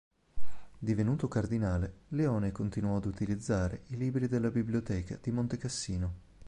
Divenuto cardinale Leone continuò ad utilizzare i libri della biblioteca di Montecassino.